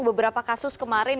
beberapa kasus kemarin